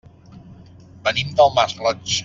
Venim del Masroig.